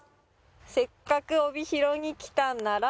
「せっかく帯広に来たんなら」